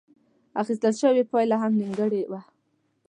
اخيستل شوې پايله هم نيمګړې وه.